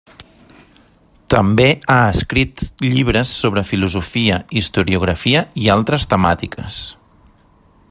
També ha escrit llibres sobre filosofia, historiografia i altres temàtiques.